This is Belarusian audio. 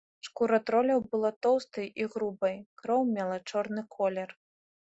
Шкура троляў была тоўстай і грубай, кроў мела чорны колер.